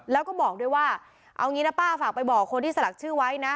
แล้วก็บอกด้วยว่าเอางี้นะป้าฝากไปบอกคนที่สลักชื่อไว้นะ